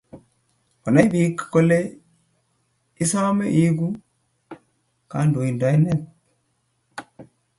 Konain pik ko le isame iiku kandoindet